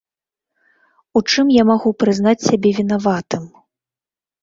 У чым я магу прызнаць сябе вінаватым?